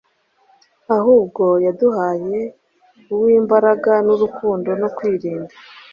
ahubwo yaduhaye uw’imbaraga n’urukundo no kwirinda.